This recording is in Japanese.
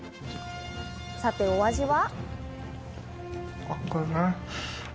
さて、お味は？